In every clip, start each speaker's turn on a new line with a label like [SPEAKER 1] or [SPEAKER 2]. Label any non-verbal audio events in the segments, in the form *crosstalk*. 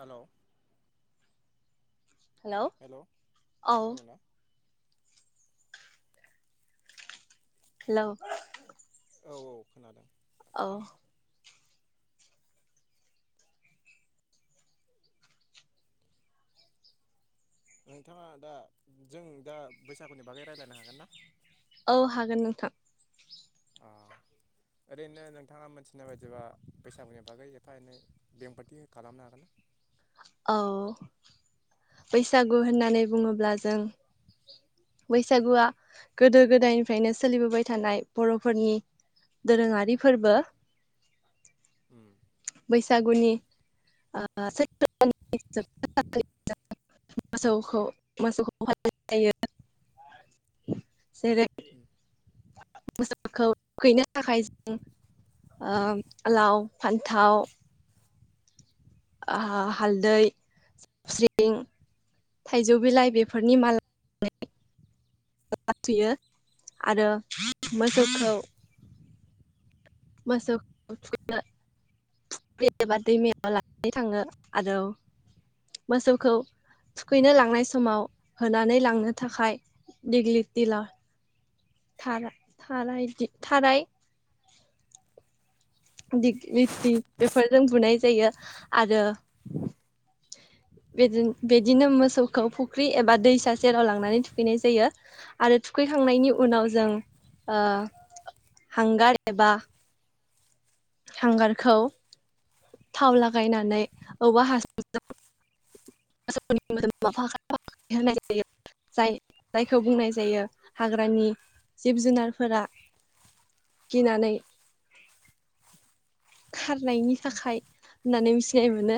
[SPEAKER 1] Hello hello
[SPEAKER 2] औ
[SPEAKER 1] खोनादोंना?
[SPEAKER 2] Hello
[SPEAKER 1] औ औ खोनादों।
[SPEAKER 2] औ ‌।
[SPEAKER 1] नोंथाङा दा जों दा बैसागुनि बागै रायलायनो हागोन ना?
[SPEAKER 2] औ हागोन नोंथां।
[SPEAKER 1] अ ओरैनो नोंथाङा मोनथिनाय बायदिबा बैसागुनि बागै एफा एनै बेंफोरथि खालामनो हागोन ना?
[SPEAKER 2] औ बैसागु होननानै बुङोब्ला जों बैसागुआ गोदो गोदायनिफ्रायनो सोलिबोबाय थानाय बर'फोरनि दोरोङारि फोरबो।
[SPEAKER 1] ओम।
[SPEAKER 2] बैसागुनि ओ सै *unintelligible* मोसौखौ मोसौखौ फनाय जायो जेरै मोसौखौ थुखैनो थाखाय जों ओ लाव फान्थाव हा हालदै सिबिं थाइजौ बिलाइ बेफोरनि माला सुनानै फोथा थुयो आरो मोसौखौ मोसौखौ थुखैनो थुखैनो एबा दैमायाव लानानै थाङो आरो मोसौखौ थुखैनो लांनाय समाव होनानै लांनो थाखाय दिग्लिथि ला थारा थाराय दिगलिथि बेफोरजों बुनाय जायो आरो बिदिनो मोसौखौ फुख्रि एबा दैसा जेराव लांनानै थुखैनाय जायो आरो थुखैखांनायनि
[SPEAKER 1] औ
[SPEAKER 2] उनाव जों ओ हांगार एबा हांगारखौ थाव लागायनानै औवा हासुंजों मोसौनि मोदोमाव फाख्रा फाख्रि होनाय जायो जाय जायखौ बुंनाय जायो हाग्रानि जिब जुनारफोरा गिनानै खारनायनि थाखाय होननानै मिथिनाय मोनो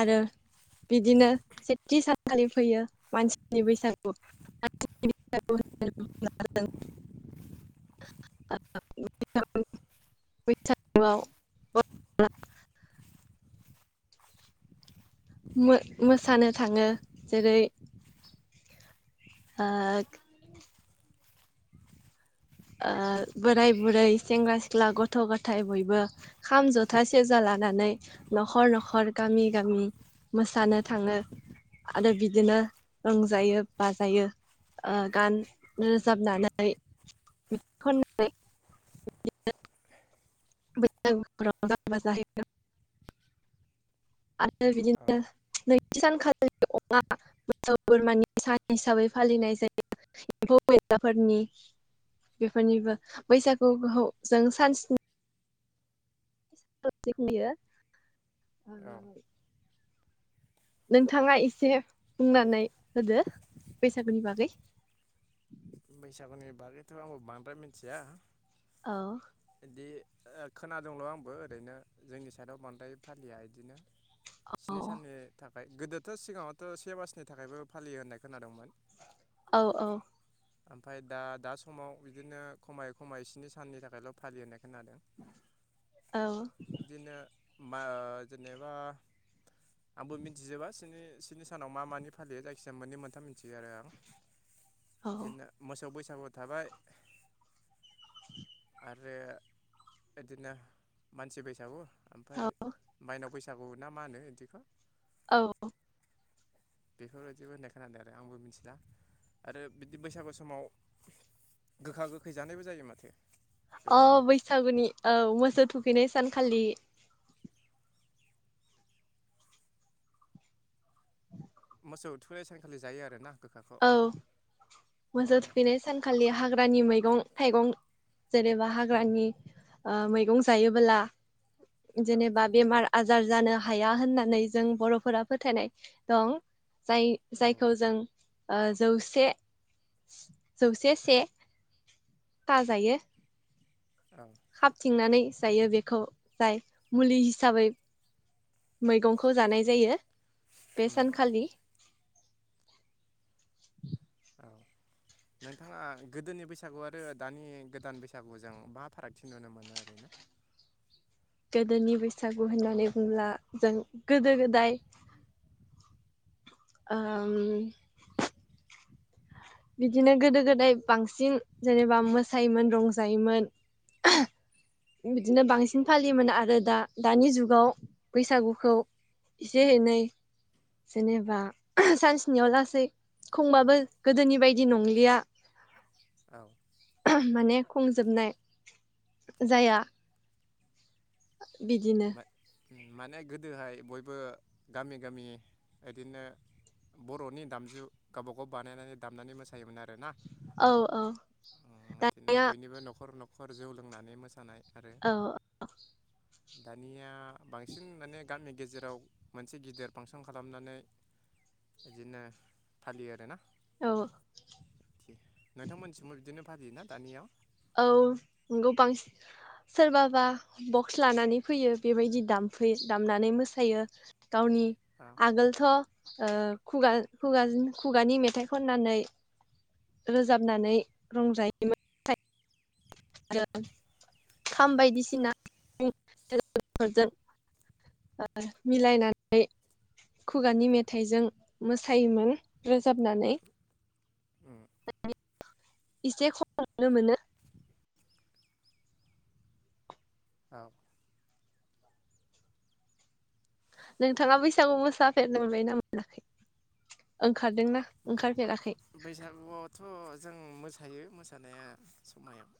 [SPEAKER 2] आरो बिदिनो सेथि सानखालि फैयो मानसिनि बैसागु *unintelligible* *unintelligible* बैसागुआव *unintelligible* मो मोसानो थाङो जेरै ओ ओ बोराय बुरै सेंग्रा सिख्ला गथ' गथाय बयबो खाम जथा सेरजा लानानै न'खर न'खर गामि गामि मोसानो थाङो आरो बिदिनो रंजायो बाजायो ओ गान रोजाबनानै ब *unintelligible* बैसागुफ्राव *unintelligible* आरो बिदिनो
[SPEAKER 1] औ
[SPEAKER 2] नै सानखालिनि अमा मोसौ बोरमानि सान हिसाबै फालिनाय जायो एम्फौ एनलाफोरनि बेफोरनिबो बैसागुखौ जों सान स्नि *unintelligible*
[SPEAKER 1] औ
[SPEAKER 2] *unintelligible* नोंथाङा एसे बुंनानै होदो बैसागुनि बागै।
[SPEAKER 1] बैसागुनि बागैथ' आंबो बांद्राय मिथिया
[SPEAKER 2] औ
[SPEAKER 1] बिदि खोनादोंल' आंबो ओरैनो जोंनि साइदआव बांद्राय फालिया बिदिनो
[SPEAKER 2] औ
[SPEAKER 1] स्नि साननि था ओमफ्राय गोदोथ' सिगाङावथ' से मासनि थाखायबो फालियो होननाय खोनादोंमोन।
[SPEAKER 2] औ औ
[SPEAKER 1] ओमफ्राय दा दा समाव बिदिनो खमायै खमायै स्नि साननि थाखायल' फालिनाय खोनादों
[SPEAKER 2] औ
[SPEAKER 1] बिदिनो मा ओ जेनेबा आंबो मिथिजोबा स्नि सिनि सानाव मा मानि फालियो जायखिजाया मोन्नै मोनथाम मिथियो आरो आं। बिदिनो मोसौ बैसा गु थाबाय
[SPEAKER 2] *inaudible*
[SPEAKER 1] आरो बिदिनो मानसि बैसागु। ओमफ्राय
[SPEAKER 2] औ
[SPEAKER 1] माइनाव बैसा बैसागु ना मा होनो बिदिखौ
[SPEAKER 2] औ
[SPEAKER 1] बेफोरबायदिबो होननाय खोनादों आरो आंबो मिथिला आरो बिदि बैसागु समाव गोखा गोखै जानायबो जायो माथो।
[SPEAKER 2] अ
[SPEAKER 1] गोबाङानो
[SPEAKER 2] बैसागुनि औ मोसौ थुखैनाय सा सानखालि *inaudible*
[SPEAKER 1] मोसौ थुखैनाय सानखालि जायो आरोना। गोखाखौ
[SPEAKER 2] औ
[SPEAKER 1] अ
[SPEAKER 2] मोसौ थुखैनाय सानखालि हाग्रा नि मैगं थाइगं जेनेबा हाग्रानि ओ हाग्रानि मैगं जायोबोला
[SPEAKER 1] औ
[SPEAKER 2] जेनेबा बेमार आ जार जानो हाया होननानै जों बर'फोरा फोथायनाय दं। जाय जायखौ
[SPEAKER 1] औ
[SPEAKER 2] जों ओ जौसे जौसे से था जायो।
[SPEAKER 1] औ
[SPEAKER 2] खाबथिंनानै जायो बेखौ जाय मुलि हिसाबै मैगंखौ जानाय जायो। बेे
[SPEAKER 1] उम।
[SPEAKER 2] सान खालि *inaudible*
[SPEAKER 1] औ नोंथाङा गोदोनि बैसागु आरो दानि गोदान बैसागुजों मा फारागथि नुनो मोनो ओरैनो
[SPEAKER 2] गोदोनि बैसागु होननानै बुंब्ला जों गोदो-गोदाय आम बिदिनो गोदो-गोदाय बांसिन जेनेबा मोसायोमोन रंजायोमोन। बिदिनो बांसिन फालियोमोन आरो दा दानि जुगाव बैसागुखौ एसे एनै जेनेबा सानस्निहावलासै खुंबाबो गोदोनि बायदि नंलिया
[SPEAKER 1] औ
[SPEAKER 2] माने खुजोबनाय जाया बिदिनो
[SPEAKER 1] माने गोदोहाय बयबो गामि गामि इदिनो बर'नि दामजु गावबाागाव बानायनानै दामनानै मोसायोमोन आरो ना
[SPEAKER 2] औ औ दानिया
[SPEAKER 1] खर जौ लोंनानै मोसानाय आरो
[SPEAKER 2] औ
[SPEAKER 1] दानिया बांसिन माने गामि गेजेराव मोनसे गिदिर फांसन खालामनानै इदिनो फालियो आरोना
[SPEAKER 2] औ
[SPEAKER 1] नोंथांमोननिथिंबो बिदिनो फालियो ना दानिया
[SPEAKER 2] औ नंगौ बांसि सोरबाबा बक्स लानानै फैयो बेबायदि दामफै दामनानै मोसायो। गावनि आगोलथ' ओ खुगा खुगाजों खुगानि मेथाइ खननानै रोजाबनानै रंजायोमोन आरो खाम बायदिसिनाजों मिलायनानै खुगानि मेथाइजों मोसायोमोन रोजाबनानै एसे खम नुनो मोनो
[SPEAKER 1] औ
[SPEAKER 2] नोंथाङा बैसागु मोसाफेरनो मोनबाय ना मोनाखै ओंखारदोंना
[SPEAKER 1] बै
[SPEAKER 2] ओंखारफेराखै
[SPEAKER 1] बैसागुयावथ' जों मो थायो मोसानाया समायाव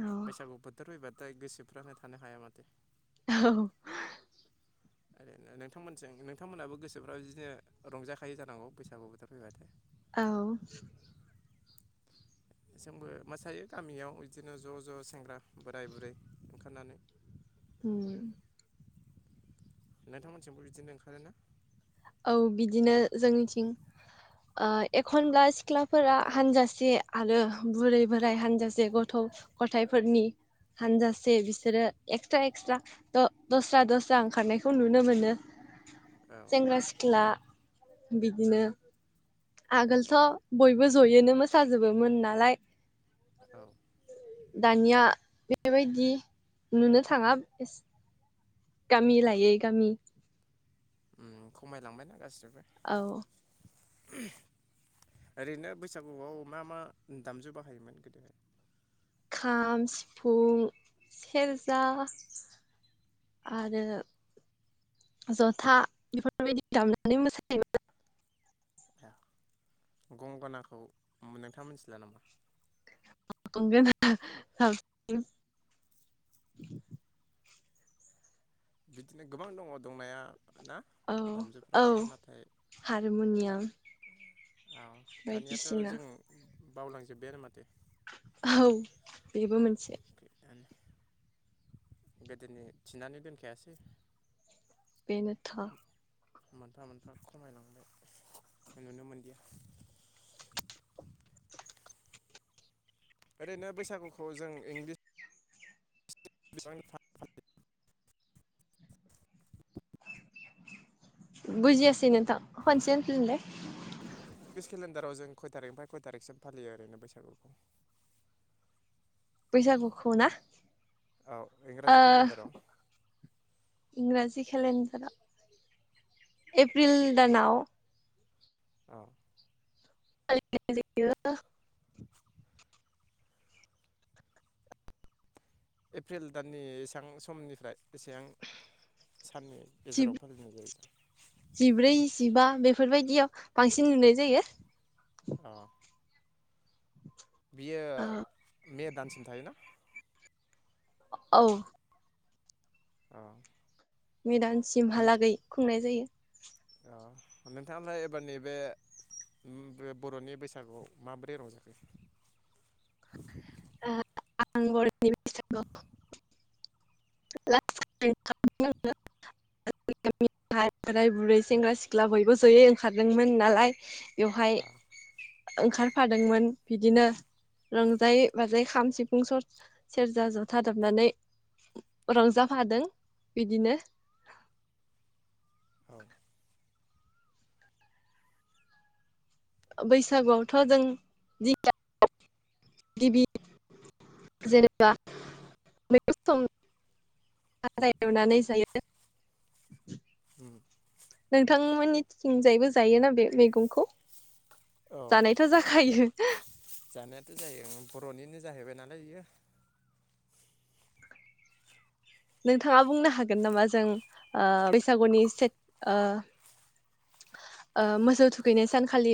[SPEAKER 2] औ
[SPEAKER 1] बैसागु बोथोर फैबा थाय गोसोफ्रानो थानो हाया माथो
[SPEAKER 2] औ
[SPEAKER 1] ओरैनो नोंथांमोनथिं नोंथांमोनहाबो गोसोफ्राबाव बिदिनो रंजाखायो जानांगौ बैसागु बोथोर फैबाथाय
[SPEAKER 2] औ
[SPEAKER 1] जोंबो मोसायो गामियाव बिदिनो ज' ज' सेंग्रा बोराय बुरै ओंखारनानै।
[SPEAKER 2] उम
[SPEAKER 1] नोंथांमोनथिंबो बिदिनो ओंखारोना
[SPEAKER 2] औ बिदिनो जोंनिथिं ओ एखनब्ला सिख्लाफोरा हानजासे आरो बुरै बोराय हानजासे गथ' गथायाइफोरनि हानजासे बिसोरो एक्सट्रा एक्सट्रा द-दस्रा दस्रा ओंखारनायखौ नुनो मोनो।
[SPEAKER 1] औ
[SPEAKER 2] सेंग्रा सि *unintelligible* बिदिनो आगोलथ' बयबो ज'योनो मोसाजोबोमोन नालाय
[SPEAKER 1] औ।
[SPEAKER 2] दानिया बेबायदि नुनो थाङा गामि लायै गामि
[SPEAKER 1] उम खमायलांबायना गासिबो
[SPEAKER 2] औ।
[SPEAKER 1] ओरैनो बैसागुआव मा मा दामजु बाहायोमोन गोदोहाय?
[SPEAKER 2] खाम, सिफुं, सेरजा आरो जथा बेफोरबायदि दामनानै मोसायोमोन।
[SPEAKER 1] गंगनाखौ नोंथाङा मोनथिला नामा?
[SPEAKER 2] गंगना
[SPEAKER 1] बिदिनो गोबां दङ दंनाया ना
[SPEAKER 2] औ औ
[SPEAKER 1] दामजुफ्राथ' नाथाय दा
[SPEAKER 2] हारमुनियाम।
[SPEAKER 1] औ दानियाथ'
[SPEAKER 2] बायदिसिना
[SPEAKER 1] जों बावलांजोबबायानो माथो।
[SPEAKER 2] औ बेबो मोनसे।
[SPEAKER 1] गोदोनि थिनानै दोनखायासै
[SPEAKER 2] बेनोथ'
[SPEAKER 1] मोनफा मोनफा खमायलांबाय नुनो मोनदिया
[SPEAKER 2] *unintelligible*
[SPEAKER 1] ओरैनो बैसागुखौ जों इंलिस *unintelligible*
[SPEAKER 2] बुजियासै नोंथां खनसे होनफिनलाय।
[SPEAKER 1] लिस केलेन्डाराव जों खय थारिखनिफ्राय खय थारिखसिम फालियो ओरैनो बैसागुखौ?
[SPEAKER 2] बैसागोखौना?
[SPEAKER 1] औ
[SPEAKER 2] ओ
[SPEAKER 1] इंराजि केलेन्डाराव
[SPEAKER 2] इंराजि केेलेन्डाराव एप्रिल दानाव
[SPEAKER 1] औ।
[SPEAKER 2] *unintelligible*
[SPEAKER 1] एप्रिल दाननि एसां समनिफ्राय एसेबां साननि गेजेराव फालिनाय जायो?
[SPEAKER 2] जिब्रै जिबा बेफोरबायदियाव बांसिन नुनाय जायो।
[SPEAKER 1] अ बियो मे दानसिम थायोना?
[SPEAKER 2] औ।
[SPEAKER 1] औ।
[SPEAKER 2] मेदानसिमहालागै खुंनाय जायो।
[SPEAKER 1] ओ नोंथाङाहाय एबार नैबे बर'नि बैसागुआव माबोरै रंजाखो?
[SPEAKER 2] आं *inaudible* *inaudible* ओ बोराय बुरै सेंग्रा सिख्ला बयबो जयै ओंखारदोंमोन नालाय बेवहाय ओंखारफादोंमोन बिदिनो रंजायै बाजायै खाम सिफ फुं सर सेरजा जथा दामनानै रंजाफादों बिदिनो।
[SPEAKER 1] औ
[SPEAKER 2] बैसागुआवथ' जों *unintelligible* गिबि जेनेबा मैग *unintelligible* जायो नोंथांमोननि थिंजायबो जायोना बे मैगंखौ?
[SPEAKER 1] औ
[SPEAKER 2] जानायथ' जाखायो। *inaudible*
[SPEAKER 1] जानायाथ' जायो बर'निनो जाहैबाय नालाय इयो।
[SPEAKER 2] नोंथाङा बुंनो हागोन नामा जों ओ बैसागुनि सेथ ओ ओ मोसौ थुखैनाय सानखालि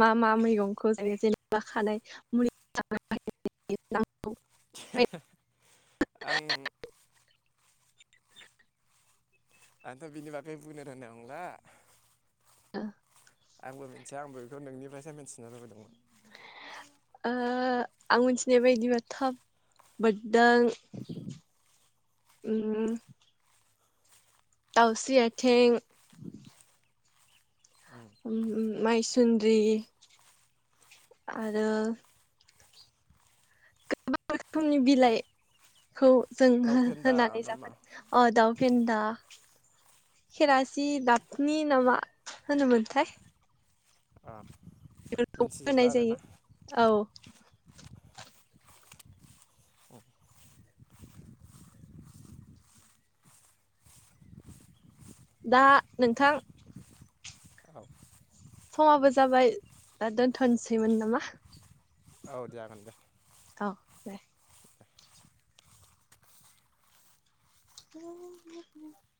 [SPEAKER 2] मा मा मैगंखौ जायो जेनेबा खानाय मुलि *unintelligible*
[SPEAKER 1] आं
[SPEAKER 2] *inaudible*
[SPEAKER 1] आंथ' बिनि बागै बुंनो रोननाय नंला।
[SPEAKER 2] *unintelligible*
[SPEAKER 1] आंबो मिन्थिया आंबो बेखौ नोंनिफ्रायसो मिथिनो लुगैदोंमोन।
[SPEAKER 2] ओ आं मिन्थिनाय बायदिबाथ' बोदों उम दावस्रि आथें माइसुन्द्रि आरो गोबां रोखोमनि बिलाइखौ जों
[SPEAKER 1] दाउ
[SPEAKER 2] हो
[SPEAKER 1] फेन्दा
[SPEAKER 2] होनानै
[SPEAKER 1] नामा
[SPEAKER 2] *unintelligible* अ दाउ फेन्दा। खेरासि दाफनि नामा होनोमोन्थाय?
[SPEAKER 1] अ
[SPEAKER 2] बेफोरखौ होनाय जायो औ दा नोंथां
[SPEAKER 1] औ
[SPEAKER 2] समाबो जाबाय दा दोनथ'नोसैमोन नामा?
[SPEAKER 1] औ दे जागोन दे।
[SPEAKER 2] औ दे *unintelligible*